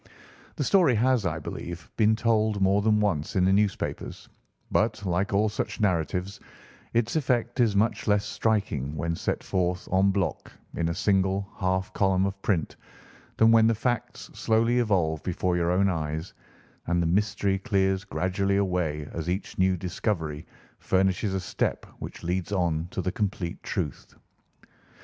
The story has, I believe, been told more than once in the newspapers, but, like all such narratives, its effect is much less striking when set forth en bloc in a single half column of print than when the facts slowly evolve before your own eyes, and the mystery clears gradually away as each new discovery furnishes a step which leads on to the complete truth.